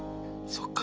そっか。